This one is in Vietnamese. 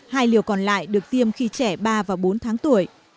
hai liều còn lại được tiêm khi trẻ ba và bốn tháng tuổi